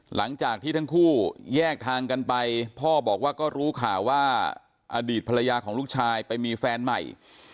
หลังจากที่ทั้งคู่แยกทางกันไปพ่อบอกว่าก็รู้ข่าวว่าอดีตภรรยาของลูกชายไปมีแฟนใหม่